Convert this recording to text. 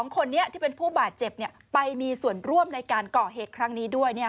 ๒คนนี้ที่เป็นผู้บาดเจ็บไปมีส่วนร่วมในการก่อเหตุครั้งนี้ด้วย